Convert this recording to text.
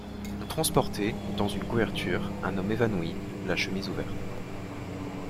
On transportait, dans une couverture, un homme évanoui, la chemise ouverte.